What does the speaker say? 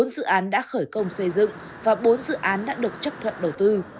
bốn dự án đã khởi công xây dựng và bốn dự án đã được chấp thuận đầu tư